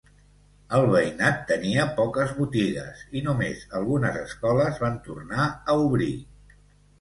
El veïnat tenia poques botigues i només algunes escoles van tornar a obrir.